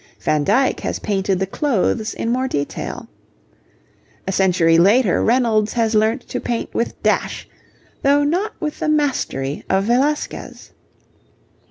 Van Dyck has painted the clothes in more detail. A century later Reynolds has learnt to paint with dash, though not with the mastery of Velasquez.